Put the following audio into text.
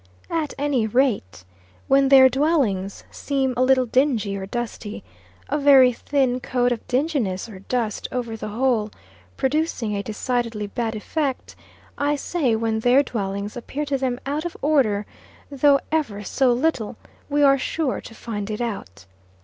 At any rate, when their dwellings seem a little dingy or dusty a very thin coat of dinginess or dust over the whole, producing a decidedly bad effect I say when their dwellings appear to them out of order though ever so little we are sure to find it out.